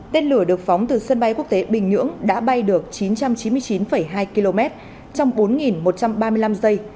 tên lửa được phóng từ sân bay quốc tế bình nhưỡng đã bay được chín trăm chín mươi chín hai km trong bốn một trăm ba mươi năm giây